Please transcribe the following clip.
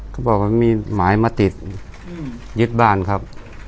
เขาบอกว่ามีหมายมาติดยึดบ้านครับ